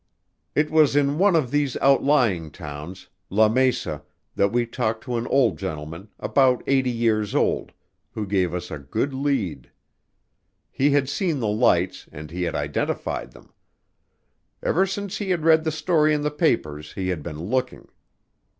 It was in one of these outlying towns, Lamesa, that we talked to an old gentleman, about eighty years old, who gave us a good lead. He had seen the lights and he had identified them. Ever since he had read the story in the papers he had been looking.